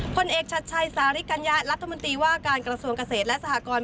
ผลเอกชัดชัยสาริกัญญะรัฐมนตรีว่าการกระทรวงเกษตรและสหกร